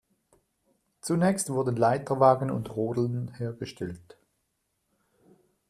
Zunächst wurden Leiterwagen und Rodeln hergestellt.